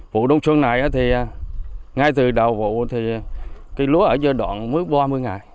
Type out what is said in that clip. vụ đông xuân này thì ngay từ đầu vụ thì cây lúa ở giai đoạn mới ba mươi ngày